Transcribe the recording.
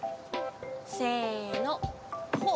せぇのほっ！